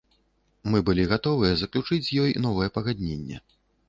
Мы былі гатовыя заключыць з ёй новае пагадненне.